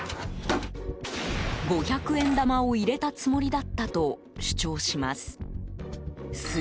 五百円玉を入れたつもりだったと主張します。